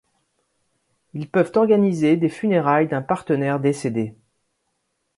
Ils peuvent organiser des funérailles d'un partenaire décédé.